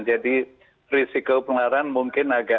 jadi risiko penularan mungkin agak